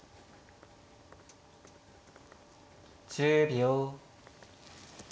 １０秒。